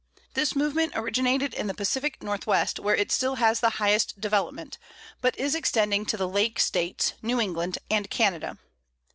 This movement originated in the Pacific Northwest, where it still has the highest development, but is extending to the Lake States, New England, and Canada.